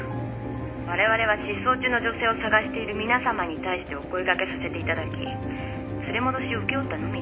われわれは失踪中の女性を捜している皆さまに対してお声掛けさせていただき連れ戻しを請け負ったのみです。